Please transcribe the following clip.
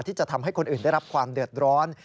ที่จะทำให้คนอื่นได้รับความเดือดร้อน